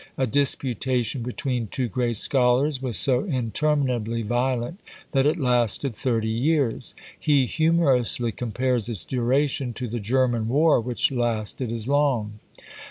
A disputation between two great scholars was so interminably violent, that it lasted thirty years! He humorously compares its duration to the German war which lasted as long.